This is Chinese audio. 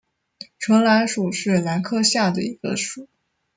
唇兰属是兰科下的一个属。